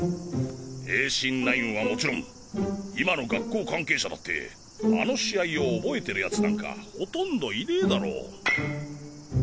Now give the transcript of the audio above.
栄新ナインはもちろん今の学校関係者だってあの試合を覚えてるやつなんかほとんどいねぇだろ？